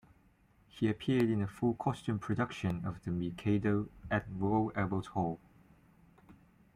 He appeared in a full costume production of "The Mikado" at Royal Albert Hall.